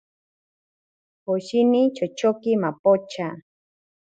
Poshini chochoki mapocha.